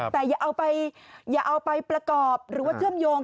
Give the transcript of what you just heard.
แต่อย่าเอาไปประกอบหรือว่าเชื่อมโยง